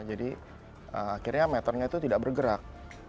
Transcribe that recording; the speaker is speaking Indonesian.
jadi akhirnya meternya itu tidak bergerak